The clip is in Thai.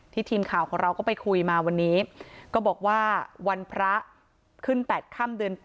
ทีมข่าวของเราก็ไปคุยมาวันนี้ก็บอกว่าวันพระขึ้น๘ค่ำเดือน๘